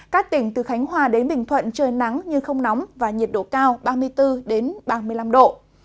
các tỉnh từ khánh hòa đến bình thuận trời nắng nhưng không nóng và nhiệt độ cao ba mươi bốn ba mươi năm độ